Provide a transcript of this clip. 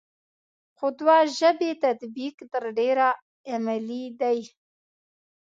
خو دوه ژبې تطبیق تر ډېره عملي دی ا